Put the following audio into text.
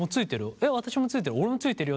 「えっ私も着いてるよ」